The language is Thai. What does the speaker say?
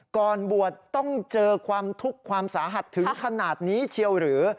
ก่อนบวชต้องเจอความทุกข์ความสาหัสถึงขนาดนี้เชียวหรือ